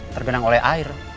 terkenang oleh air